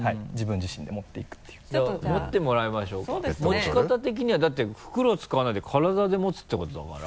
持ち方的にはだって袋使わないで体で持つってことだから。